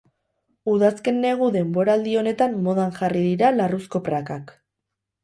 Udazken-negu denboraldi honetan modan jarri dira larruzko prakak.